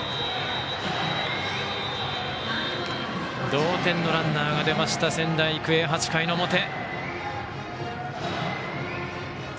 同点のランナーが出ました仙台育英、８回の表。